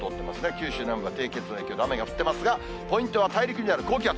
九州南部が低気圧の影響で雨が降っていますが、ポイントは大陸にある高気圧。